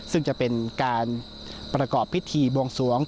ซึ่งจะเป็นการประกอบพิธีบวงสวง